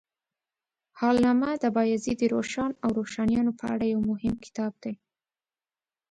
حالنامه د بایزید روښان او روښانیانو په اړه یو مهم کتاب دی.